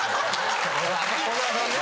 小沢さんね。